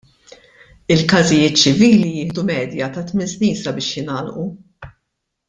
Il-każijiet ċivili jieħdu medja ta' tmien snin sabiex jingħalqu.